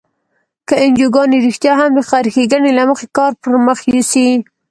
که انجوګانې رښتیا هم د خیر ښیګڼې له مخې کار پر مخ یوسي.